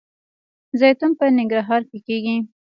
زیتون په ننګرهار کې کیږي